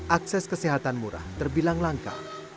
akses kesehatan murah terbilang langka